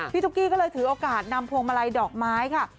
ตุ๊กกี้ก็เลยถือโอกาสนำพวงมาลัยดอกไม้ค่ะ